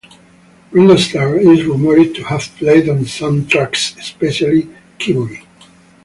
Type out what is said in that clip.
Ringo Starr is rumored to have played on some tracks, specifically "Kiburi.".